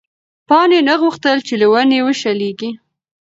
پاڼې نه غوښتل چې له ونې وشلېږي.